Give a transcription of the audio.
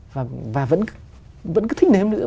và vẫn cứ thích nếm nữa